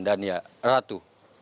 dan ya ratu